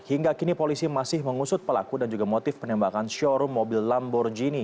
hingga kini polisi masih mengusut pelaku dan juga motif penembakan showroom mobil lamborghini